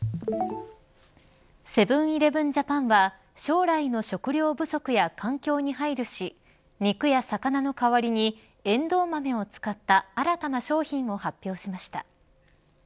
セブンイレブン・ジャパンは将来の食料不足や環境に配慮し肉や魚の代わりにエンドウ豆を使った新たな商品を発表しました。